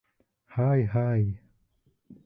Һай-һай!